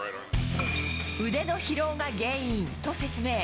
腕の疲労が原因と説明。